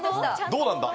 どうなんだ？